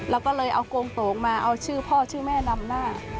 แล้วก็เลยเอาโกงโตงมาเอาชื่อพ่อชื่อแม่นำหน้า